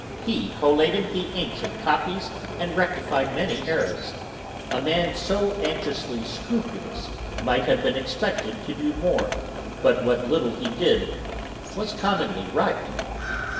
He collated the ancient copies, and rectified many errours. A man so anxiously scrupulous might have been expected to do more, but what little he did was commonly right.